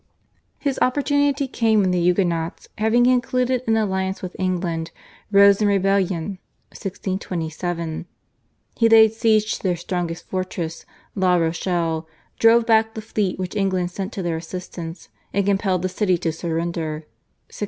His opportunity came when the Huguenots having concluded an alliance with England rose in rebellion (1627). He laid siege to their strongest fortress, La Rochelle, drove back the fleet which England sent to their assistance, and compelled the city to surrender (1628).